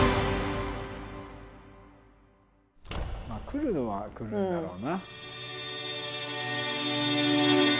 来るのは来るんだろうな。